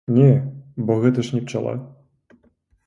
Не, бо гэта ж не пчала.